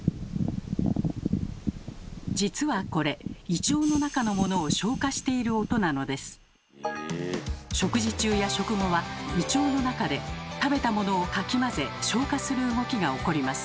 実はこれ食事中や食後は胃腸の中で食べたものをかき混ぜ消化する動きが起こります。